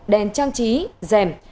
đèn trang trí rèn